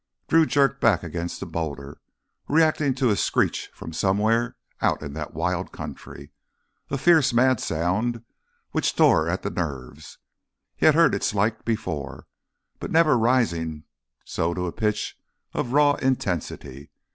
Drew jerked back against the boulder, reacting to a screech from somewhere out in that wild country—a fierce, mad sound which tore at the nerves. He had heard its like before, but never rising so to the pitch of raw intensity.